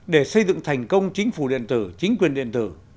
để xây dựng thành công chính phủ điện tử chính quyền điện tử